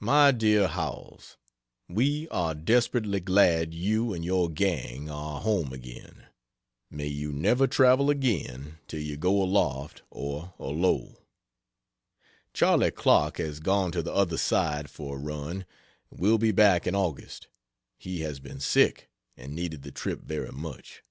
MY DEAR HOWELLS, We are desperately glad you and your gang are home again may you never travel again, till you go aloft or alow. Charley Clark has gone to the other side for a run will be back in August. He has been sick, and needed the trip very much.